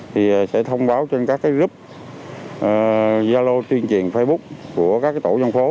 thì sẽ thông báo trên các cái group giao lô truyền truyền facebook của các tổ dân phố